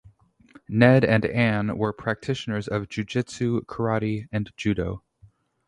Ned and Anne were practitioners of jujutsu, karate and judo.